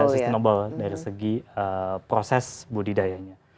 sustainable dari segi proses budidayanya